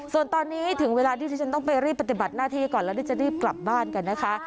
ส่วนตอนนี้ถึงเวลาที่ที่ฉันต้องไปรีบปฏิบัติหน้าที่ก่อนแล้วเดี๋ยวจะรีบกลับบ้านกันนะคะ